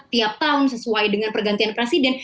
tiap tahun sesuai dengan pergantian presiden